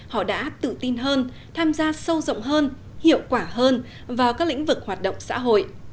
họ đã tự tin hơn tham gia sâu rộng hơn hiệu quả hơn vào các lĩnh vực hoạt động xã hội